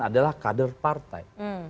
adalah kader partai